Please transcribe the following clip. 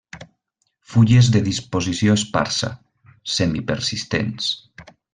Fulles de disposició esparsa, semi persistents.